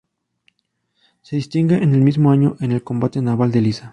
Se distinguió en el mismo año en el combate naval de Lissa.